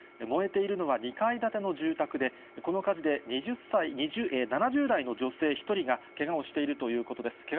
燃えているのは２階建ての住宅で、この火事で、７０代の女性１人がけがをしているということです。